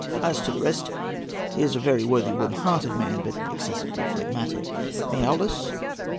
As to the rest, he is a very worthy, warm hearted man, but excessively phlegmatic. MIAOULIS.